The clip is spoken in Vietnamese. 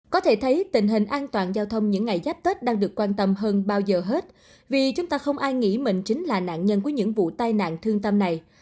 có thể thấy tình hình an toàn giao thông những ngày giáp tết đang được quan tâm hơn bao giờ hết vì chúng ta không ai nghĩ mình chính là nạn nhân của những vụ tai nạn thương tâm này